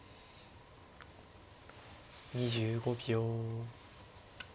２５秒。